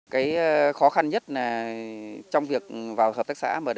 cái khó khăn nhất là trong việc vào hợp tác xã mà đã